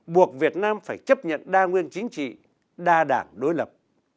buộc việt nam phải chấp nhận đa nguyên chính trị đa đảng đối lập